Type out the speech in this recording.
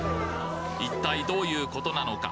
一体どういう事なのか？